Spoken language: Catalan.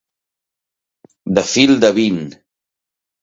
De fil de vint.